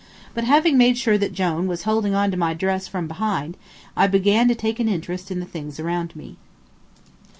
But having made sure that Jone was holding on to my dress from behind, I began to take an interest in the things around me.